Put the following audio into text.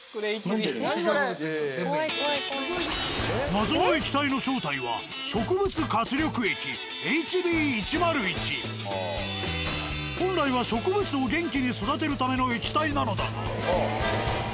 謎の液体の正体は本来は植物を元気に育てるための液体なのだが。